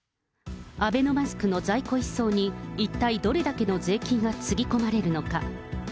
アベノマスクの在庫一掃に一体どれだけの税金がつぎ込まれるのか。